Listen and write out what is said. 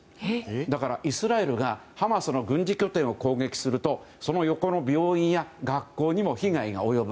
だから、イスラエルがハマスの軍事拠点を攻撃するとその横の病院や学校にも被害が及ぶ。